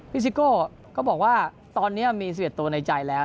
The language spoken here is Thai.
ซิโก้ก็บอกว่าตอนนี้มี๑๑ตัวในใจแล้ว